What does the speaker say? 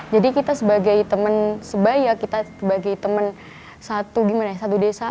jadi kita sebagai teman sebaya kita sebagai teman satu desa